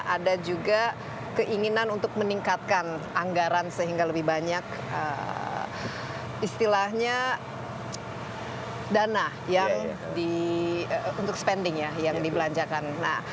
ada juga keinginan untuk meningkatkan anggaran sehingga lebih banyak istilahnya dana yang dibelanjakan